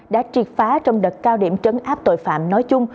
đã triệt phá trong đợt cao điểm trấn áp tội phạm nói chung